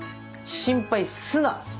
心配すな！